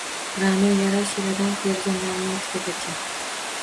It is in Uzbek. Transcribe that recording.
Ra’no Yarashevadan Feruza Normatovagacha